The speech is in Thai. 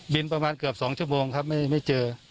ประมาณเกือบ๒ชั่วโมงครับไม่เจอ